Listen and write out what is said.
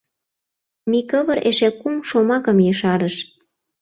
Микывыр эше кум шомакым ешарыш.